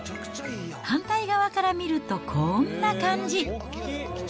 反対側から見るとこんな感じ。